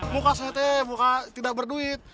muka saya teh buka tidak berduit